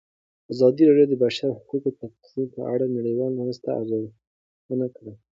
ازادي راډیو د د بشري حقونو نقض په اړه د نړیوالو مرستو ارزونه کړې.